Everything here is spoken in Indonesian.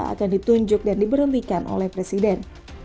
akan ditunjuk dan diberhentikan oleh presiden